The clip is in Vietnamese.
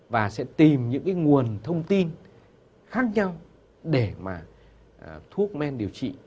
và sẽ tìm những cái nguồn thông tin khác nhau để mà thuốc men điều trị